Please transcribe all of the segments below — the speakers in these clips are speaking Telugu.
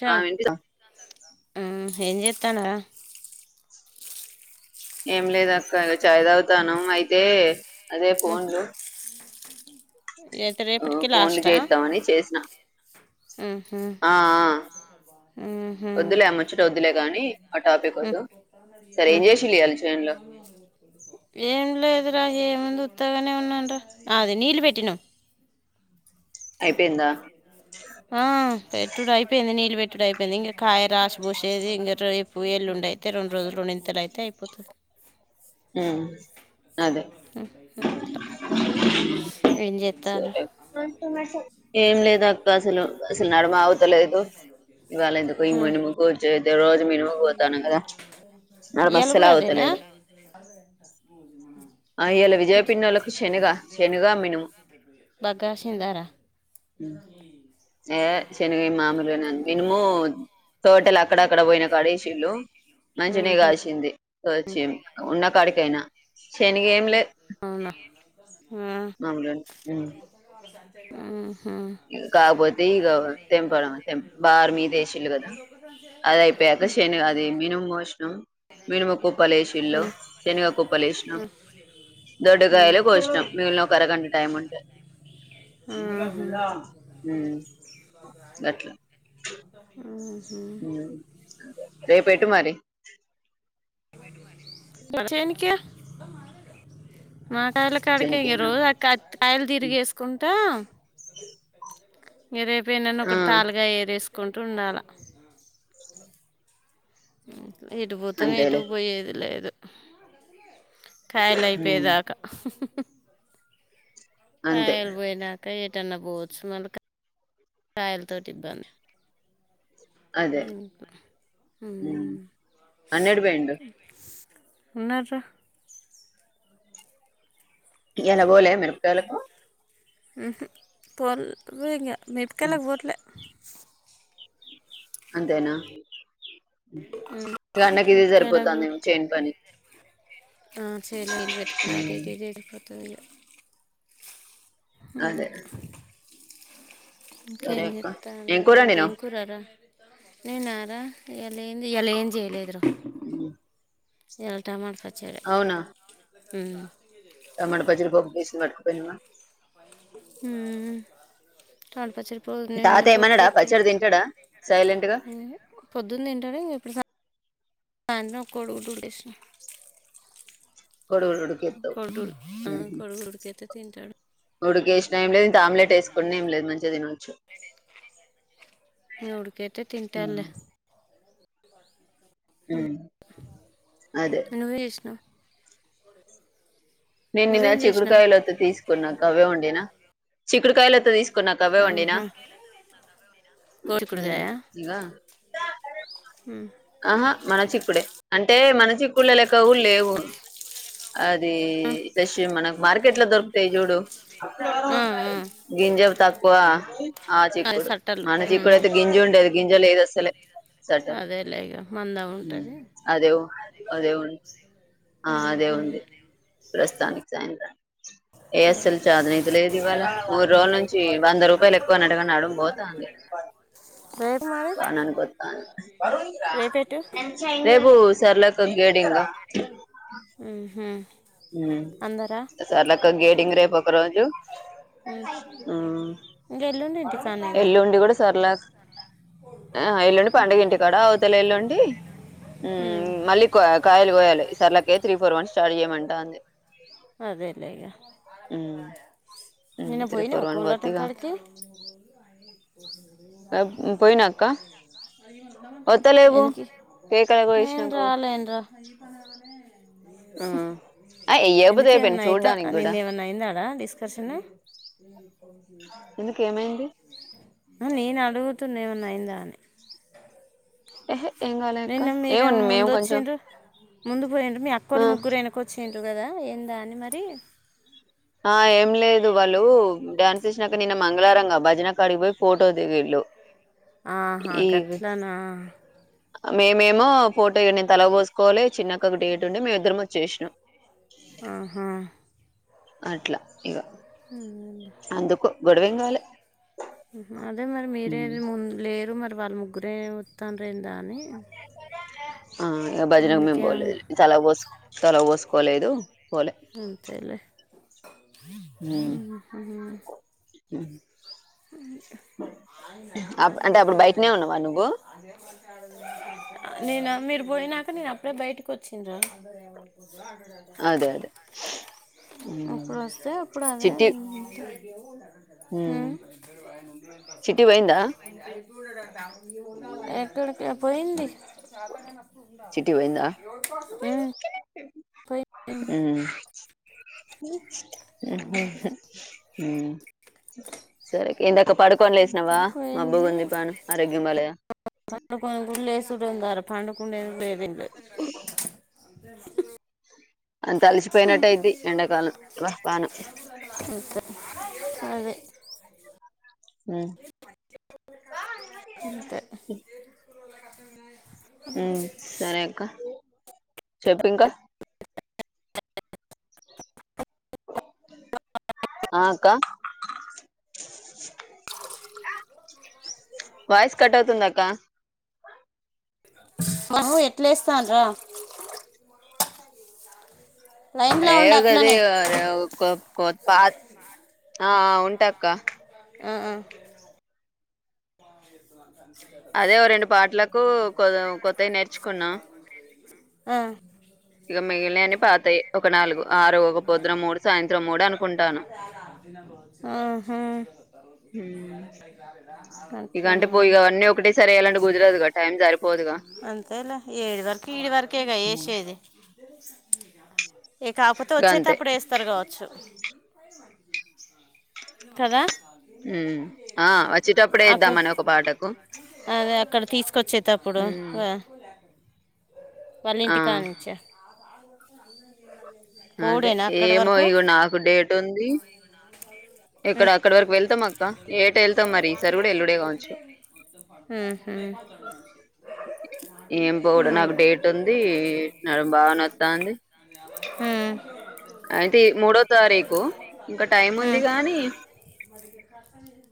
చా ఆ వి ఏం చేస్తాన్లు ఏం లేదు అక్క చాయితగుతన్నం అయితే అదే ఫోన్లు ఎంత ఆ, రేపటికి ఫోన్లు లాస్టా చేద్దామని చేసిన ఉహు ఆ... ఉహు వద్దులే ఆ మ్ముచ్చట వద్దులే గాని ఆ టాపిక్ వద్దు సరే ఏం చేసిలియాల చేన్ లో ఏం లేదురా ఏముంది ఉత్తగనే ఉన్నంరా అది నీళ్లు పెట్టినం అయిపోయిందా ఆ పెట్టుడు అయిపోయింది నీళ్ళు పెట్టుడు అయిపోయింది ఇంకా కాయ రాసిబూసేది ఇంకా రేపు ఎల్లుండి డయితే రెండు రోజులు రెండింతలయితే అయిపోతది ఉ అదే అట్లా ఏం చేస్తారు సరే ఏం లేదు అక్క అసలు అసలు నడమగుతలేదు ఇవవాళ ఎందుకో [unintelligible] మినుముకు పోతాను కదా నడమ ఇయ్యాల అస్సలు కూడా అదేనా ఆగుతలేదు అ ఆ ఇయాల విజయ పిన్నోళ్లకు శనగ శనగ మినుము బాగా కాసిందారా ఏ శనగ మామలుగనే అన్న ఇనుము తోటలు అక్కడక్కడ పోయిన కాడ ఏషిల్ళు మంచిగనే కాసింది వచ్చి ఉన్నా కాడికైనా శనిగ ఏమి లేదు అవునా మామూలుగా ఆమ్ ఆ కాకపోతే ఇక తెంపడం తెం బార్ మీద ఏషిళ్లు కదా అది అయిపోయాక శనిగ అది మినుము పోషి మినుము కుప్పలేశిల్లు ఉహు శనిగ కుప్పలేషినం దొడ్డుకాయలు ఉహు కోసినం మిగిలిన ఒక అరగంట టైం ఉంటే ఆహా హు అట్లా ఆహా. రేపు ఎటు మరి చేనుకే మా కాయల కాడికే ఇగ చనికేనా రోజు ఆ కాయలు తిరిగేసుకుంటా ఇగ రేపు ఎన్నన్న ఆ ఒకటి తాలుకాయ ఏరేసుకుంట ఉండాలా ఎటు పోతం ఎటు అంతేలే పోయేది లేదు కాయలు ఉమ్ అయిపోయేదాకా అంతే కాయలు బోయినాక ఎట్ టన్న పోవచ్చు మళ్ళీ కాయలతోటి ఇబ్బంది అదే ఉమ్ హ్మ్. అన్నిటికి పోయిండు ఉన్నర్ర ఇయ్యాల పోలె మిరపకాయలకు మ్ హు పోలె ఇంగా ఉమ్. మిరపకాయలకు పోట్లే అంతేనా ఇగ అన్నకు ఇదే మిరపకాయలకు సరిపోతందేమో చేను పని ఆ చేనుకు నీళ్ళు పెట్టుకొని అటు హ్మ్. ఇటె సరిపోతది ఇగ అదే అ సరే ఇంకేం అక్క ఏం కూర చెత్తాన్రు వండినవ్ ఏం కూరరా నేనార ఇయ్యాల ఏందీ ఇయ్యాల ఎం చేయలేదురా అ ఇయ్యాల టమాటా పచ్చ అవునా ఉమ్ టమాటా పచ్చడ ఏసీ పట్టుకపోయినవ హు టమాట పచ్చడి పోదున తాత ఏమనడా పోపుకేతే పచ్చడి తింటడా సైలెంట్ గా పొద్దున తింటడు ఇప్పుడు సా సాయంత్రం ఒక కోడిగుడ్డు ఏసిన కోడిగుడ్డు ఉడికేత్తవ్ కొడు ఆ కొడుగుడ్డు ఉడకబెడ్తే తింటడు ఉడిక వేసినా ఏం లేదు ఇంత ఆమ్లెట్ వేసుకున్న ఏం లేదు మంచిగా తినొచ్చు ఉడుకేతే హ్మ్. తింటడులే హు అదే నువ్వేం చేసినావు నిేను నిన్న నువ్వేం చేసినావు చికుడుకాయలతో తీసుకున్నాకు అవే ఉండినా చిక్కుడుకాయలు ఓతే తీసుకు కున్నాక్క అవేవండినా హు గోడికుడుగాయ ఇగా ఆహా మన చిక్కుడే అంటే మన చిక్కుళ్ళలెక్క కూడా లేవు అది ఫ్రెష్ గ మనకు మార్కెట్ లో దొరుకుతయి చూడు గింజలు తక్కు క్కువ ఆ అదే చిక్కుడు సట్టలు మన చిక్కుడు అయితే గింజు ఉండేది గింజ లేదు అసలే సటల్ అదేలే ఇగ మందం ఉమ్, ఉంటది అదే ఉ- అదే ఉంది హ హ ప్రస్థానికి సాయంత్రా ఏఎస్ఎల్ చాదనీది లేదు ఇవాళ మూడు రోజుల నుంచి వంద రూపాయలు ఎక్కువ అన్నట్టుగాని అడడం పోతుంది రేపు మరి నన్ గొత్తా ర రేపేటు సర్లేక గేడింగా ఆహా సార్లక గేటింగ్ రే పక చు ఇంక ఎల్లుండి ఇంటికానేగా ఎల్లు ఉండి కూడా సర్లే ఆ ఎల్లుండి పండుగ ఇంటి కడ అవుతల ఎల్లుండి ఉ మళ్ళీ కాయలు కోయాలి సర్లకే త్రీ ఫోర్ వన్ స్టార్ట్ చేయమంట అంది అదేలే ఉమ్ ఉమ్ నిేను త్రీ పోయినా ఫోర్ వన్ ఒకలాటక్కడికి ఆ పోయినాక్క వత్తలేవు ఎనికి కేకలకు ననుాలన్ అ ఏ ఎందుకేమన్నా అయిత నిేన్న ఏమన్నా అయింద అడా డిస్కషన్ ఎందుకు ఏమైంది నేను అడుగుతున్నా ఏమన్నా అయిందా అని ఆహా నిేన్న మీరే ముందు వచ్చిండ్రు ముందు పోయి మీ అక్కో ఆ వాళ్ళ ముగ్గురు వెనకొ వచ్చి అరు కదా ఏందా అని మరి ఆ ఏం లేదు వాళ్ళు డ్యాన్స్ ఇసినాక నిన్న మంగళారంగా భజన కడిగిపోయి ఫోటో దిగిళ్ళు ఆహా ఈ గట్లనా మేమేమో ఫోటో నేను తల పోోసుకోవాలి చిన్నక్క ఒక డేట్ ఉండి మేము ఇద్దరం వచ్చేసినాం ఆహా అట్లా ఇగ అ అందుకు గొడవ కావాలి అదే మరి మీరేది ముందు లేరు మరి వాళ్ళ ముగ్గురే వస్తారే దాని ఆ ఇక భజనంగం మేం అన్న పోలేదు చల పోసు తల పోసుకోలేదు పోలే అంతలోే ఉ అ అంటే అప్పుడు బయటనే ఉన్నావా నువ్వు ననా మీరు పోనా ఇ నేను అప్పుడే బయటకు వచ్చింది్రా అదే అదే మ్ అప్పుడు వస్తే అప్పుడు అదే ఎమునా మ్మ్ ఎక్కడికి పోయింది చిట్టి పోయిందా మ్మ్ హ్ మ్మ్ హు హు సరే ఇందాక పడుకొని లేసినావా మాబ్బుగుంది పానం ఆరోగ్యం బాలేదా పండుకుని లేసుడు ఏంది పండుకుండేది లేదిండు మ్మ్ హ్ అంతంత అలిసిపోయినట్టే అది ఎండాకాలం పాను అంతే. అదే ఆ ఇంతే మ్మ్ సరే అక్క చెప్పింకా ఆ ఆక్క వాయిస్ కట్ అవుతుందాక్క అవును ఎట్లేస్తాన్ర లైన్లో ఏ ఉండు గది అట్లనే కొత్త పాత ఆ ఆ ఉంటా అక్క హా హ్ అదే ఓ రెండు పాటలకు కొత్తవి నేర్చుకున్నా ఆ ఇగ మిగిలిన అన్ని పాతాయి ఒక నాలుగు ఆరు ఒక పొద్దున మూడు సాయంత్రం మూడు అనుకుంటాను ఆ హ ఇగ అంటే అట్లనా పో ఇగ అన్నీ ఒకటేసారి ఎయ్యాలంటే కుదరదుగా టైం సరిపోదుగా అంతేలే ఏడు వరకు ఈడ వరకే గ ఉమ్, ఏసేది ఇగ కాకపోతే గంతే వచ్చేతప్పుడు ఏస్తారు కావచ్చు కదా మ్మ్ ఆ వచ్చేటప్పుడే అక్కడ ఏద్దామని ఒక పాటకు అదే అక్కడ తీసుకొచ్చేటప్పుడు హ్మ్. వాళ్ళ ఆ! ఇంటి కానించా అదే పోవుడేనా అక్కడి ఏమో వరకు ఇగ నాకు డేట్ ఉంది ఇక్కడ అక్కడ వరకు వెళ్తాం అక్క ఏటా వెళ్తాం మరి ఈ సారి కూడా ఎల్లుడే కావచ్చు మ్మ్ హ్హ్ ఏం పోవుడు నాకు డేట్ ఉంది నడుం బాగా నొస్తంది మ్మ్ హ్ అయితే మూడో తారీకు ఇంకా టైం ఉంది గానీ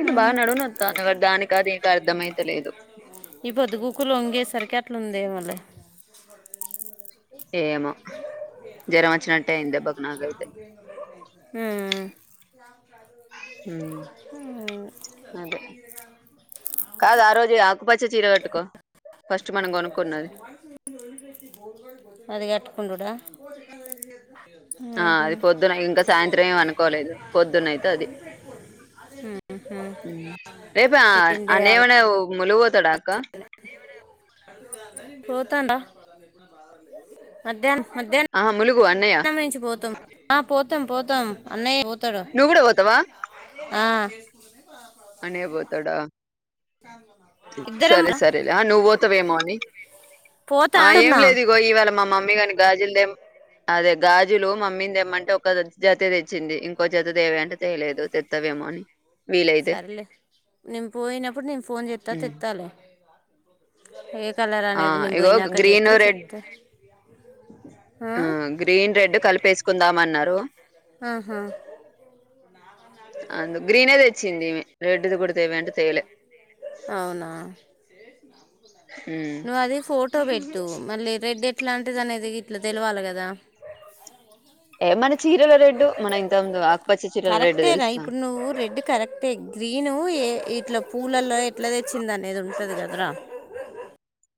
ఇటు బాగా నడుము నొస్తంది దానికి అది ఎటు అర్ధమయితలేదు ఈ పొద్దుగుకులు వంగేసరికి అట్లుందేమో లే ఏమో జ్వరం వచ్చినట్ట అయింది దెబ్బకి నాకయితే అలా మ్మ్ అదే కాదు ఆరోజు పచ్చ చీర కట్టుకో అది కట్టుకుండుడా ఆ మ్మ్ అది పొద్దున ఇంకా సాయంత్రం ఏం హ్హ్ అనుకోలేదు మ్మ్ రేపు అనే పిండేయాల మన ములుగు పోతాడా అక్క పోతాండా మధ్యాహ్నం మధ్యాహ్నం ఆహా ములుగు అన్నయ్య మధ్యాహ్నం నుంచి పోతమ్ ఆ పోతం పోతం అన్నయ నువ్వు కూడా పోతావా ఆ అన్నయ్య పోతాడా ఇద్దరం సరే సరే ఆ నువ్వు పోతావేమో అని పోతా ఆ ఏం అంటున్నా లేదు ఇగో ఇవాళ మా మమ్మీ కాని గాజులదేం అదే గాజులు మమ్మీని తెమ్మంటే ఒక జత తెచ్చింది ఇంకో జత దేవే అంటే తెయలేదు తెత్తవే మోని వీల ఇతే సరేలే నేను పోయినప్పుడు నేను ఫోన్ చెస్తా హ్మ్. తెత్తాలే ఏ కలర్ ఆ అనేది నిం ఇగో పోయినాక గ్రీన్ చేతే రెడ్ చెప్తే ఆ గ్రీన్ రెడ్ కలిపేసుకుందాంన్నారు ఆహా అ గ్రీన్ది తెచ్చింది రెడ్ది కూడా తెవ అంటే తెేవలే అవునా ఉమ్ నువ్వు అది ఫోటో పెట్టు మళ్ళీ రెడ్ ఎట్లాంటిది అనేది ఇట్లా తెలివాలి కదా దా ఏ మన చీరల రెడ్డు మన ఇంత ముందు ఆకుపచ్చ చీరల రెడ్డు కరెక్టే రా తెలుసా ఇప్పుడు నువ్వు రెడ్ కరెక్టే గ్రీన్ ఏ ఇట్ల పూలల్లో ఎట్లా తెచ్చింది అనేది ఉంటుది కదరా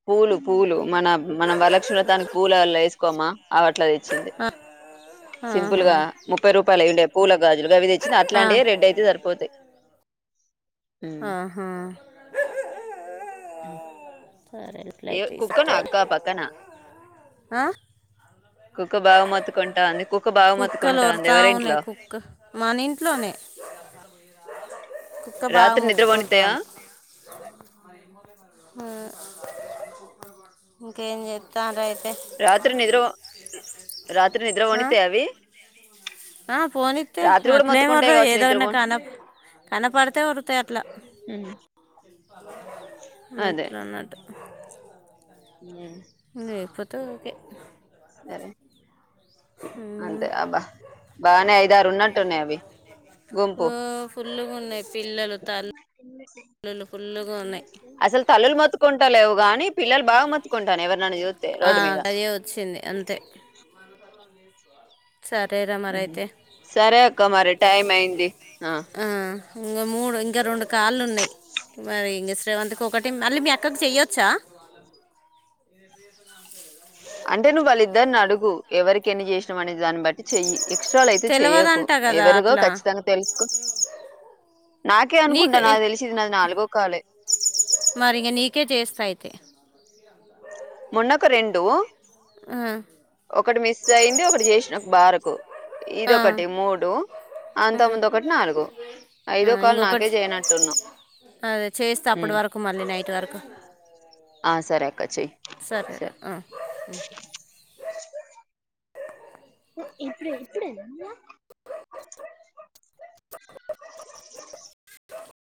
పూలు పూలు మన మనం వరలక్షణతానికి పూల వేసుకోమా అవట్లా చింది సింపుల్ ఆహా. గా ముప్పై రూపాయలు అవిండే పూల గాజులుగా అవి తెచ్చింది అట్లాంటివి ఆ రెడ్ అయితే సరిపోతాయి ఆహా ఏ సరేట్లతే ఇస్త కుక్కనా అక్క పక్కన ఆ కుక్క బాగ మోతుకుంటంది కు కుక్కలు వరుతా ఉన్నాయి కుక్క మన ఇంట్లోనే కుక్క బాగా రాత్రి నిద్ర పోనిత్తయా మోతుకుంటంది ఇంకా ఎం చేస్తూ రాత్రి నిద్ర రాత్రి నిద్ర ఆ? పోనితయా అవి ఆ పోనీస్తే రాత్రి కూడా అట్లే మొత్తుకుంటాయి ఏమరు ఏ కావచ్చు నిద్ర దగ్రన పో కాన కనపడితే ఉరుతా అట్లా అట్లాన్నటు ఉ లేకపోతే ఊరికే సరే [inaudible] అంతే అబ్బా బానే ఐదారు ఉన్నట్టునేయి అవి గుంపు ఓ ఫుల్లుగా ఉన్నాయి పిల్లలు తల్ ఇసి అసలు తల్లులు మొత్తుకుంట లేవు కాని పిల్లలు బాగా మొత్తుకుంటాను ఎవరిననా చూస్తే ఆ రోడ్డు మీద అది వచ్చింది అంతే సరేరా మరైతే సరే అక్క మరి టైమ్ అయింది ఆ ఇంకా మూడు ఇంకా రెండు కాళ్ళు ఉన్నాయి మరి ఇంగ శ్రవంతికి ఒకటి మళ్ళీ మీ అక్కకి చెయొచ్చా [inaudible] అంటే నువ్వు వాళ్ళిద్దరిని అడుగు ఎవరికి ఎన్ని చేసినా అనేది దాన్ని బట్టి చెయ్యి ఎక్స్ట్రాలో అయితే చెయకు తెలియదంట కదా ఎవరుదో అట్లా ఖచ్చితంగా తెలుసుకో నాకే నీకు అనుకుంటా నాకు ఎన్- తెలిసిది నాది నాాలుగో కాలే మరి ఇంకా నీకే చేస్తా అయితే మొన్న ఒక రెండు ఆ, ఒక్కటి మిస్ అయ్యింది ఒకటి చేసిన బార్ ఇదొ ఆ, ఒకటి మూడు అంతకు ముందు ఒకటి నాలుగు ఆ, ఐదో కాల్ నాకే ఇంకొకటి చేయనట్టున్నా అదే చేస్తే అప్పటి వరకు మళ్ళీ నైట్ వరకు ఆ సరే అక్క చెయ్ సరే రా ఆ [inaudible] ఇప్పుడ ఇప్పుడ [unintelligible]